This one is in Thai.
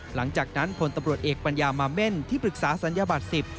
หลังจากนั้นพลตำรวจเอกปัญญามาเม่นที่ปรึกษาศัลยบัตร๑๐